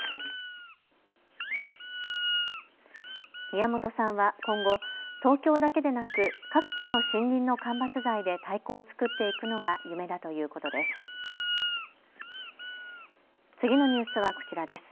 宮本さんは今後、東京だけでなく各地の森林の間伐材で太鼓を作っていくのが夢だということです。